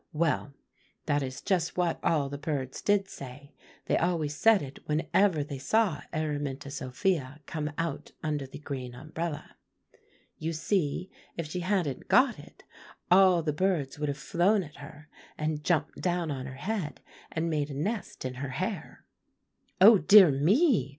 Well, that is just what all the birds did say; they always said it whenever they saw Araminta Sophia come out under the green umbrella. You see, if she hadn't got it, all the birds would have flown at her, and jumped down on her head, and made a nest in her hair." "Oh, dear me!"